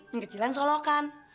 yang kecil yang solokan